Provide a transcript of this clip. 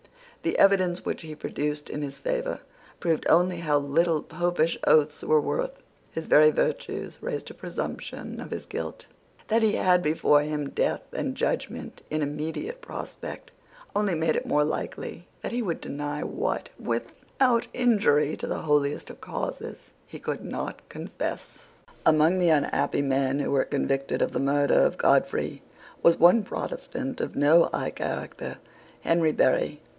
The evidence which he produced in his favour proved only how little Popish oaths were worth. His very virtues raised a presumption of his guilt. That he had before him death and judgment in immediate prospect only made it more likely that he would deny what, without injury to the holiest of causes, he could not confess. Among the unhappy men who were convicted of the murder of Godfrey was one Protestant of no high character, Henry Berry.